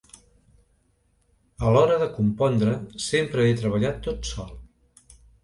A l’hora de compondre, sempre he treballat tot sol.